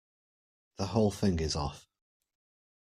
The whole thing is off.